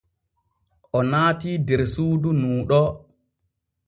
O naatii der suudu nuu ɗo.